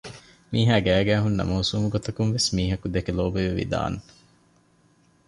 މީހާ ގައިގައި ހުންނަ މައުސޫމުގޮތަކުންވެސް މީހަކު ދެކެ ލޯބިވެވިދާނެ